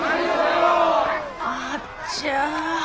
あっちゃ。